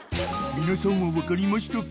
［皆さんは分かりましたか？］